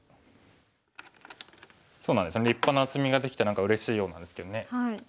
そうなんですよね立派な厚みができてうれしいようなんですけどね。